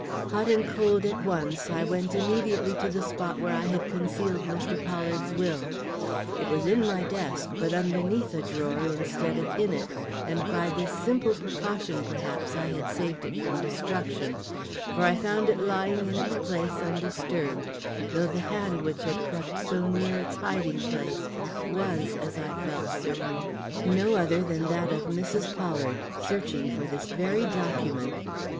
Hot and cold at once, I went immediately to the spot where I had concealed Mr. Pollard's will. It was in my desk, but underneath a drawer instead of in it, and by this simple precaution, perhaps, I had saved it from destruction; for I found it lying in its place undisturbed, though the hand which had crept so near its hiding place was, as I felt certain, no other than that of Mrs. Pollard, searching for this very document.